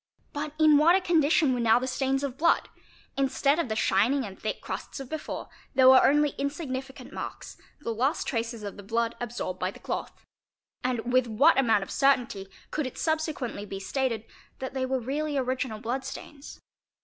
But in what a condition were now the stains of blood? Instead of the shining and thick crusts of before, there were only insignificant marks, the last traces of the blood absorbed by the cloth. And with what amount of certainty could it subsequently be stated that they were really original blood stains?